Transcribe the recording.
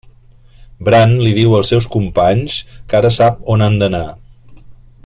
Bran li diu als seus companys que ara sap on han d'anar.